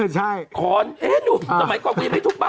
ใช่คอนสมัยก่อนกูยังไม่มีทุกบ้าน